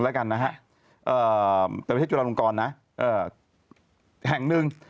แต่ไม่ใช่จุฬาหลงกรนะแห่งหนึ่ง